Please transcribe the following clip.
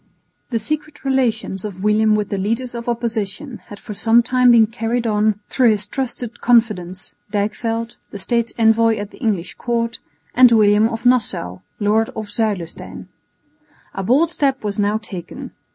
The secret relations of William with the leaders of opposition had for some time been carried on through his trusted confidants, Dijkveld, the State's envoy at the English Court, and William of Nassau, lord of Zuilestein. A bold step was now taken.